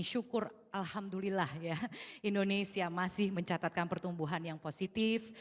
syukur alhamdulillah ya indonesia masih mencatatkan pertumbuhan yang positif